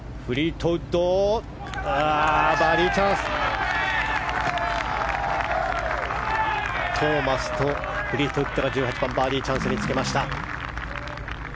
トーマスとフリートウッドが１８番、バーディーチャンスにつけました。